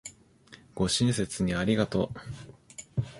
ご親切にありがとう